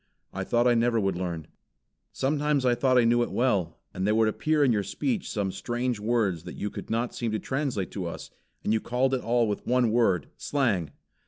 I thought I never would learn. Sometimes I thought I knew it well; and there would appear in your speech some strange words that you could not seem to translate to us, and you called it all with one word, 'Slang!'